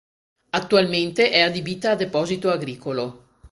Attualmente è adibita a deposito agricolo.